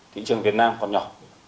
thị trường việt nam còn nhỏ